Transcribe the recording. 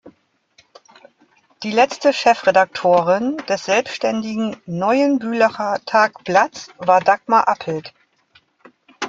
Die letzte Chefredaktorin des selbständigen "Neuen Bülacher Tagblatts" war Dagmar Appelt.